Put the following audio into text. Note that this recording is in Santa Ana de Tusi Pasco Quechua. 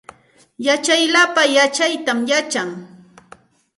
Yachaq lapa yachaytam yachan